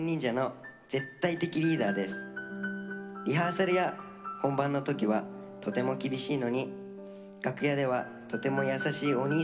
リハーサルや本番の時はとても厳しいのに楽屋ではとても優しいおにいさんです。